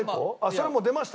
それもう出ました。